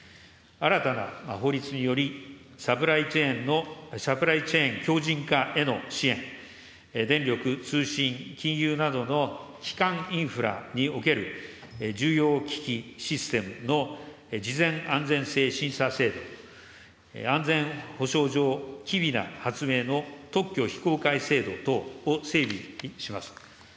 新たな法律により、サプライチェーンの、サプライチェーン強じん化への支援、電力、通信、金融などの基幹インフラにおける重要機器、システムの事前安全性審査制度、安全保障上機微な発明の特許非公開制度等を整備します。